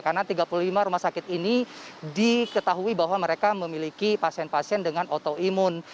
karena tiga puluh lima rumah sakit ini diketahui bahwa mereka memiliki pasien pasien dengan autoimun